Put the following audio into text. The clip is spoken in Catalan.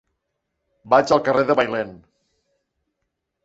Vaig al carrer de Bailèn.